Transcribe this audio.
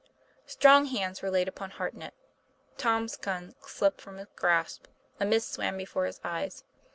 Strong hands were laid upon Hartnett; Tom's gun slipped from his grasp, a mist swam before his eyes.